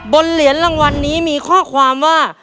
เหรียญรางวัลนี้มีข้อความว่า